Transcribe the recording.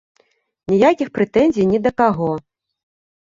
Ніякіх прэтэнзій ні да каго.